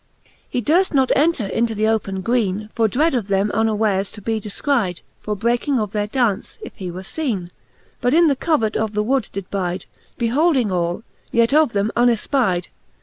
..' XI. He durft not enter into th open greene. For dread of them unwares to be defcryde,'^" "" For breaking of their daunce, if he were feene ; But in the covert of the wood did byde, Beholding all, yet of them unefpyde.